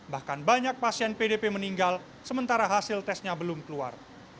bahkan banyak pasien pdp meninggal sementara hasil tesnya belum keluar